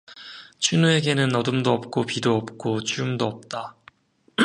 춘우에게는 어둠도 없고 비도 없고 추움도 없다.